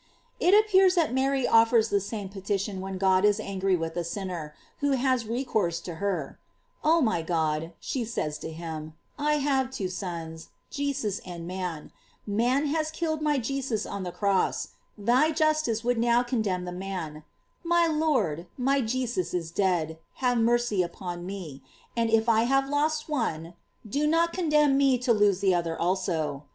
* It appears that Mary offers the same petition when God is angry with a sin ner, who has recourse to her: Oh my God, she says to him, I had two sons, Jesus and man; man has killed my Jesus on the cross; thy justice would now condemn man; my Lord, my Jesus is dead; have mercy upon me, and if I have lost one, do not condemn me to lose the other also.